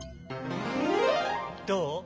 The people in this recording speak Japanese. どう？